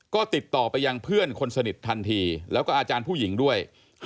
ก็ติดต่อไปยังเพื่อนคนสนิททันทีแล้วก็อาจารย์ผู้หญิงด้วย